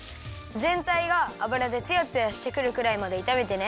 ぜんたいがあぶらでツヤツヤしてくるくらいまでいためてね。